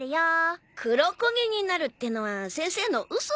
黒焦げになるってのは先生の嘘っす。